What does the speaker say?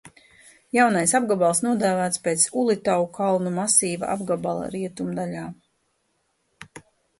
Jaunais apgabals nodēvēts pēc Ulitau kalnu masīva apgabala rietumdaļā.